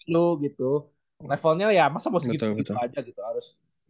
lu gitu levelnya ya masa mau segitu gitu aja gitu